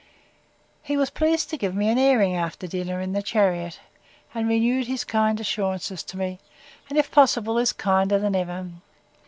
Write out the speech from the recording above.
He was pleased to give me an airing after dinner in the chariot, and renewed his kind assurances to me, and, if possible, is kinder than ever.